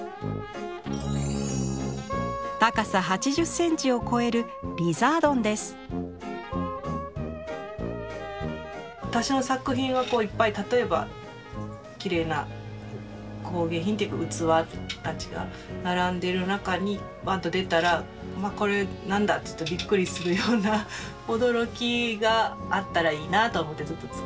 高さ８０センチを超える私の作品はこういっぱい例えばきれいな工芸品というか器たちが並んでる中にバーンと出たらこれ何だ？ってびっくりするような驚きがあったらいいなと思ってずっと作ってて。